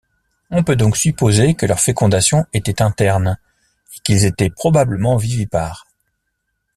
On peut donc supposer que leur fécondation était interne et qu'ils étaient probablement vivipares.